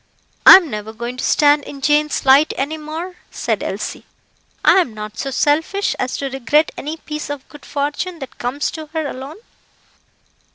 "I am never going to stand in Jane's light any more," said Elsie. "I am not so selfish as to regret any piece of good fortune that comes to her alone."